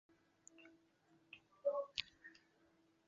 普洛内韦迪福人口变化图示